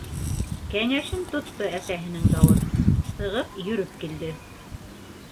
Кәңәшен тотто әсәһенең Дауыт, сығып йөрөп килде.